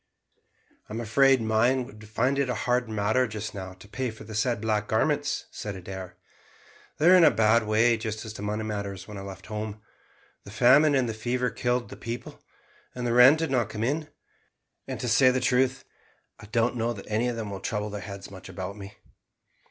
"I'm afraid mine would find it a hard matter just now to pay for the said black garments," said Adair. "They were in a bad way as to money matters when I left home. The famine and the fever killed the people, and rent did not come in; and to say the truth, I don't know that any of them will trouble their heads much about me."